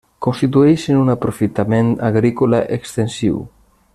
Constitueixen un aprofitament agrícola extensiu.